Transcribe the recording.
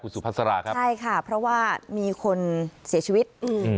สุพัสราครับใช่ค่ะเพราะว่ามีคนเสียชีวิตอืม